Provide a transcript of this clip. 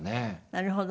なるほどね。